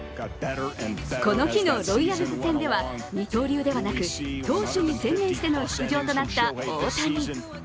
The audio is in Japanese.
この日のロイヤルズ戦では、二刀流ではなく投手に専念しての出場となった大谷。